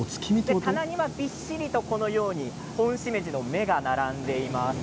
棚にはぎっしりとホンシメジの芽が並んでいます。